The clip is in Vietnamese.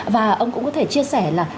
và ông cũng có thể chia sẻ là